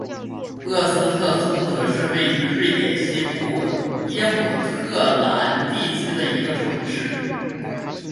厄斯特松德是位于瑞典西部耶姆特兰地区的一个城市。